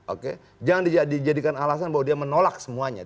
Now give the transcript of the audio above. oke jangan dijadikan alasan bahwa dia menolak semuanya